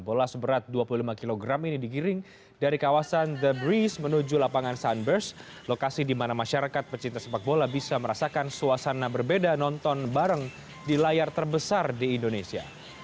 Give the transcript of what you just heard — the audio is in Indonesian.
bola seberat dua puluh lima kg ini digiring dari kawasan the breeze menuju lapangan sunburst lokasi di mana masyarakat pecinta sepak bola bisa merasakan suasana berbeda nonton bareng di layar terbesar di indonesia